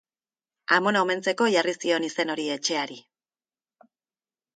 Amona omentzeko jarri zion izen hori etxeari.